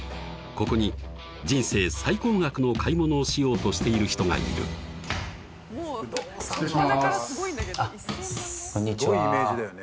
ここに人生最高額の買い物をしようとしている人がいる失礼します